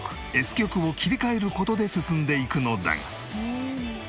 極を切り替える事で進んでいくのだが